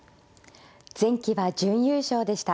前期は準優勝でした。